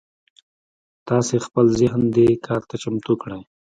تاسې خپل ذهن دې کار ته چمتو کړئ.